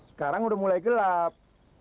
sekarang udah mulai gelap